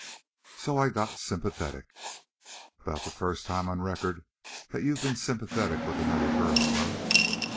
"So I got sympathetic " "About the first time on record that you've been sympathetic with another girl, eh?"